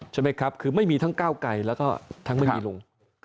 ใช่ไหมครับคือไม่มีทั้งก้าวไกลแล้วก็ทั้งไม่มีลุง